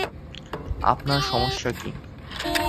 আপনার সমস্যা কি?